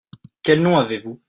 Quel nom avez-vous ?